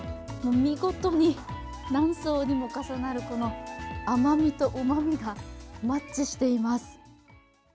見事に何層にも重なる、この甘みとうまみがマッチしています。